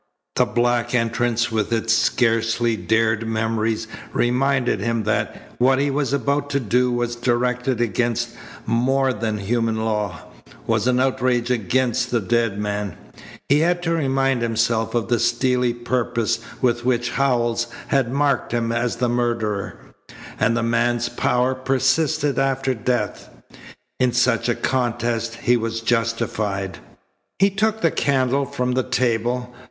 The black entrance with its scarcely dared memories reminded him that what he was about to do was directed against more than human law, was an outrage against the dead man. He had to remind himself of the steely purpose with which Howells had marked him as the murderer; and the man's power persisted after death. In such a contest he was justified. He took the candle from the table.